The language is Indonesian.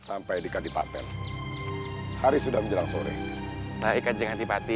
sampai di kadipaten hari sudah menjelang sore baikkan jangan tipati